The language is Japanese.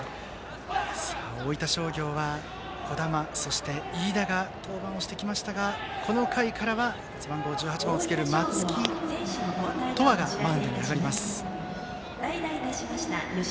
大分商業は児玉、そして飯田が登板をしてきましたがこの回からは背番号１８の松木翔和がマウンドに上がります。